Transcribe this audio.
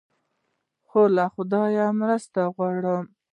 خو له خدایه مرسته غواړم.